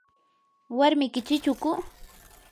¿warmiki chichuku?